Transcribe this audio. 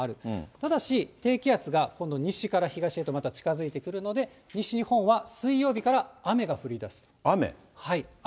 ただし、低気圧が今度、西から東へとまた近づいてくるので、西日本は水曜日から雨が降り雨？